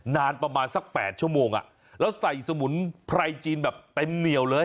นานประมาณสัก๘ชั่วโมงแล้วใส่สมุนไพรจีนแบบเต็มเหนียวเลย